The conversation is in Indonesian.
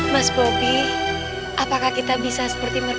mas bobi apakah kita bisa berdua berdua